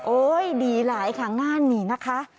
โอ๊ยดีหลายค่ะงานนี่นะคะ